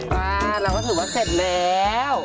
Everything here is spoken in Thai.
เราก็ถือว่าเสร็จแล้ว